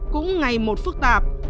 cũng ngày một phức tạp